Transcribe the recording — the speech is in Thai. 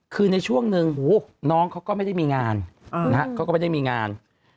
คือในช่วงหนึ่งน้องเขาก็ไม่ได้มีงาน